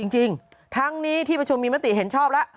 จริงทั้งนี้ที่ประชุมมีมติเห็นชอบแล้ว